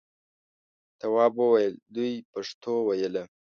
تواب وویل دوی پښتو ویله.